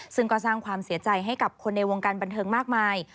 ซึ่งก็สร้างความเสียใจให้กับคนในวงการบันเทิงมากมาย